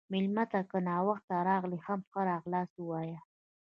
مېلمه ته که ناوخته راغلی، هم ښه راغلاست ووایه.